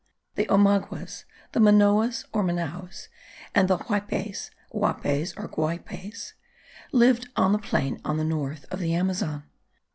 The Omaguas, the Manaos or Manoas, and the Guaypes (Uaupes or Guayupes) live in the plains on the north of the Amazon.